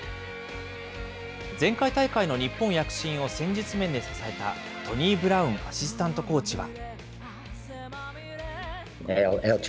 前回大会の日本躍進を戦術面で支えた、トニー・ブラウンアシスタントコーチは。